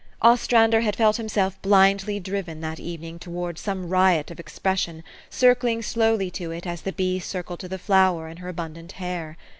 Ostrander had felt himself blindly driven, that evening, towards some riot of expression, circling slowly to it as the bee circled to the flower in her abundant hair.